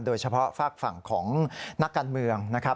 โดยเฉพาะฝากฝั่งของนักการเมืองนะครับ